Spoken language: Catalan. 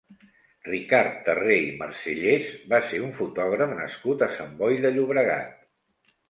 Ricard Terré i Marcellés va ser un fotògraf nascut a Sant Boi de Llobregat.